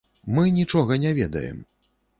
Мы нічога не ведаем.